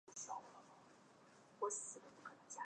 玛罕巴的神秘生物。